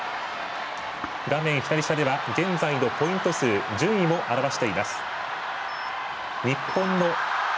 画面左下では、現在のポイント数順位も表しています。